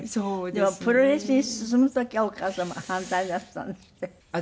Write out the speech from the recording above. でもプロレスに進む時はお母様反対なさったんですって？